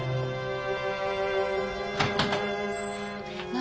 何？